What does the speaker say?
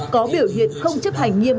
có biểu hiện không chấp hành nghiêm